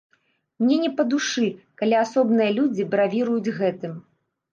Мне не па душы, калі асобныя людзі бравіруюць гэтым.